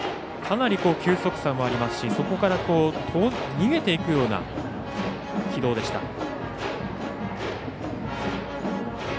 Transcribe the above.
かなり球速差もありますしそこから、逃げていくような軌道でした。